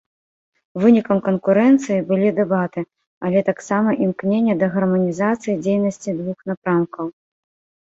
Вынікам канкурэнцыі былі дэбаты, але таксама імкненне да гарманізацыі дзейнасці двух напрамкаў.